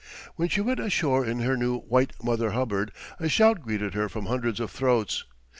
When she went ashore in her new white mother hubbard, a shout greeted her from hundreds of throats!